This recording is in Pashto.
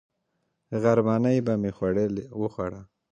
غرمنۍ به مې وخوړه.